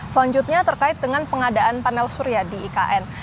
selanjutnya terkait dengan pengadaan panel surya di ikn